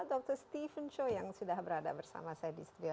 dr steven show yang sudah berada bersama saya di studio